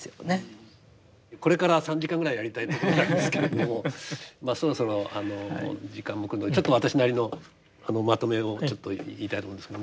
これから３時間ぐらいやりたいところなんですけれどもまあそろそろ時間も来るのでちょっと私なりのまとめをちょっと言いたいと思うんですけどもね。